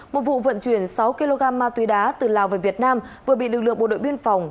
một vụ vận chuyển sáu kg ma túy đá từ lào về việt nam vừa bị lực lượng bộ đội biên phòng